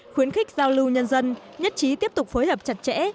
khuyến khích giao lưu nhân dân nhất trí tiếp tục phối hợp chặt chẽ